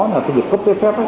cái việc cấp tế phép